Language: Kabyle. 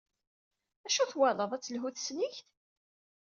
Acu twalaḍ, ad telhu tesnigt?